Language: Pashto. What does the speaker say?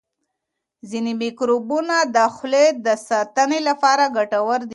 ځینې میکروبونه د خولې د ساتنې لپاره ګټور دي.